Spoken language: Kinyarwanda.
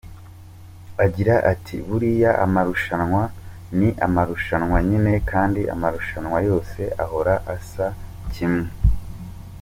Agira ati “Buriya amarushanwa ni amarushanwa nyine kandi amarushanwa yose ahora asa, ni kimwe.